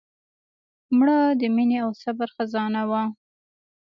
مړه د مینې او صبر خزانه وه